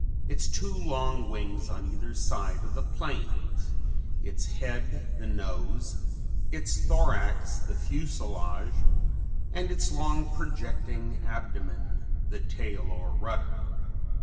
Its two long wings on either side are the planes, its head the nose, its thorax the fuselage and its long projecting abdomen the tail or rudder.